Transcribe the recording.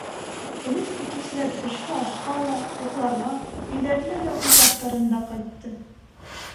Элек көтөүселәр төшкө ашҡа ла, йоҡларға өйҙәренә лә үҙ аттарында ҡайтты.